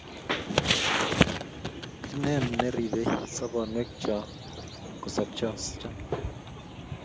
Inen ribei sobonwek cho kosopschon